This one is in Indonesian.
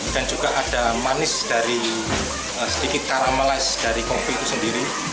dan juga ada manis dari sedikit karamelis dari kopi itu sendiri